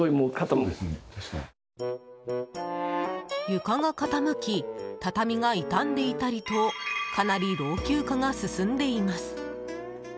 床が傾き、畳が傷んでいたりとかなり老朽化が進んでいます。